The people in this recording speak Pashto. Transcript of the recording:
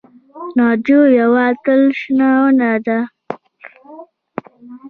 ناجو یوه تل شنه ونه ده